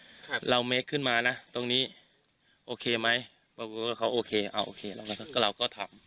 ครับเราเมคขึ้นมานะตรงนี้โอเคไหมว่าเขาโอเคโอเคเราก็เราก็ทำ